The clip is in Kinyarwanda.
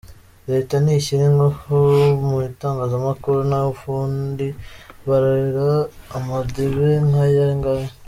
Leta nishyire ingufu mu itangazamakuru naho ubundi bararera amadebe nk’aya ngaya ?”.